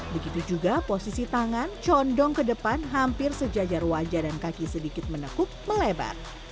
begitu juga posisi tangan condong ke depan hampir sejajar wajah dan kaki sedikit menekut melebar